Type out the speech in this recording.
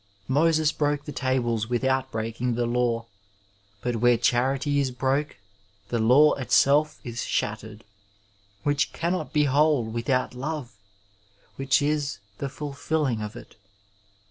Moses broke the tables without breaking the law; but where charity is broke the law itself is shattered, which cannot be whole without love, which is the ful filling of it.